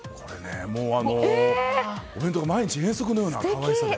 お弁当が毎日、遠足のような可愛さで。